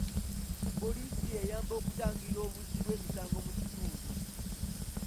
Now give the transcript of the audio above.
Poliisi eyamba okutangira obuzzi bw'emisango mu kitundu.